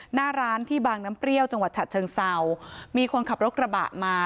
หน้าร้านที่บางน้ำเปรี้ยวจังหวัดฉะเชิงเศร้ามีคนขับรถกระบะมา